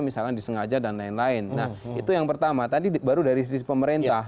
misalnya disengaja dan lain lain nah itu yang pertama tadi baru dari sisi pemerintah